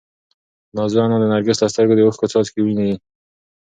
نازو انا د نرګس له سترګو د اوښکو څاڅکي ویني.